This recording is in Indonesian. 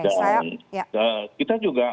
dan kita juga